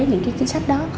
những cái chính sách đó